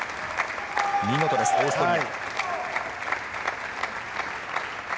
見事です、オーストリア。